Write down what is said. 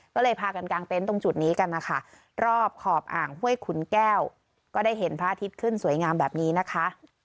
ก็เลยพากันกลางเต็นต์ตรงจุดนี้กันนะคะรอบขอบอ่างห้วยขุนแก้วก็ได้เห็นพระอาทิตย์ขึ้นสวยงามแบบนี้นะคะ